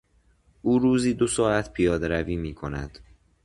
او روزی دو ساعت پیادهروی می کند.